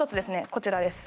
こちらです